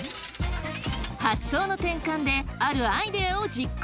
発想の転換であるアイデアを実行！